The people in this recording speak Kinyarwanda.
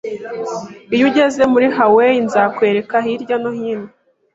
Iyo ugeze muri Hawaii, nzakwereka hirya no hino